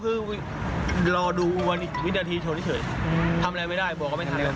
คือมองวิธีหนักที่ชน